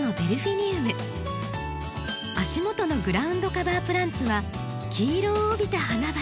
足元のグラウンドカバープランツは黄色を帯びた花々。